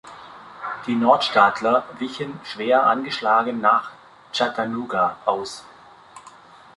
Die Nordstaatler wichen schwer angeschlagen nach Chattanooga aus.